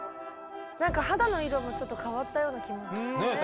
何か肌の色もちょっと変わったような気も。